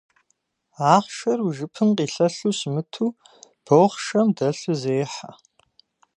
Ахъшэр уи жыпым къилъэлъу щымыту, бохъшэм дэлъу зехьэ.